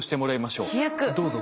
どうぞ。